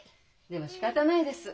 でもしかたないです。